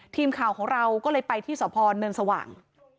ทีมข่าวของเราก็เลยไปที่สพเนินสว่าง